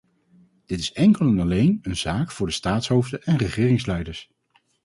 Dit is enkel en alleen een zaak voor de staatshoofden en regeringsleiders.